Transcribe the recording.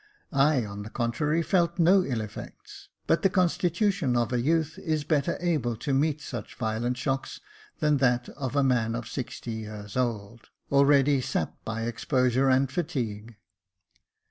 I, on the contrary, felt no ill effects ; but the constitution of a youth is better able to meet such violent shocks than that of a man of sixty years old, already sapped by exposure and fatigue.